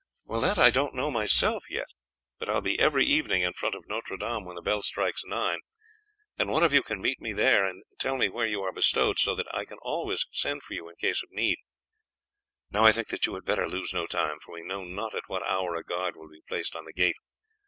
"That I don't know myself yet; but I will be every evening in front of Notre Dame when the bell strikes nine, and one of you can meet me there and tell me where you are bestowed, so that I can always send for you in case of need. Now I think that you had better lose no time, for we know not at what hour a guard will be placed on the gate.